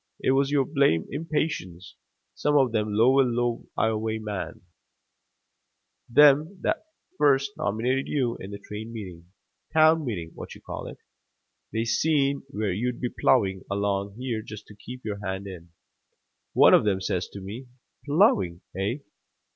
It was your blamed impatience. Some of them lower Ioway men, them that first nominated you in the train meeting town meeting what you call it, they seen where you'd been plowing along here just to keep your hand in. One of them says to me, 'Plowing, hey?